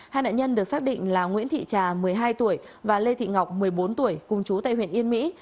hai nạn nhân được xác định là nguyễn thị trà một mươi hai tuổi và lê thị ngọc một mươi bốn tuổi cùng chú tại huyện yên mỹ